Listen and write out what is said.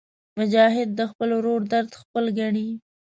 مجاهد د خپل ورور درد خپل ګڼي.